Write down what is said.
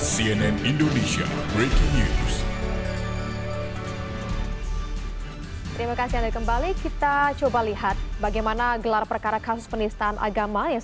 cnn indonesia breaking news